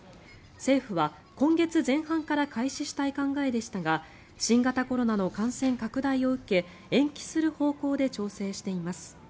政府は、今月前半から開始したい考えでしたが新型コロナの感染拡大を受け延期する方向で調整しています。